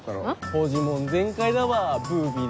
ポジモン全開だわブービーでも。